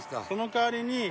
その代わりに。